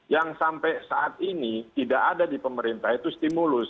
yang sampai saat ini tidak ada di pemerintah itu stimulus